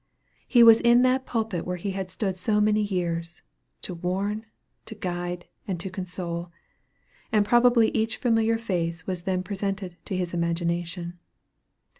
He was in that pulpit where he had stood so many years, to warn, to guide, and to console; and probably each familiar face was then presented to his imagination.